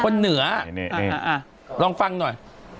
เหนือลองฟังหน่อย